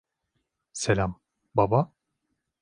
Selam, baba.